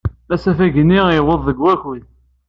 Asafag-nni yuweḍ-d deg wakud.